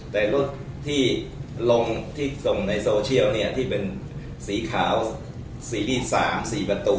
แต่รถที่ลงที่ส่งในโซเชียลเนี่ยที่เป็นสีขาวสีที่๓๔ประตู